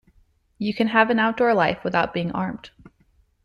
You can have an outdoor life without being armed.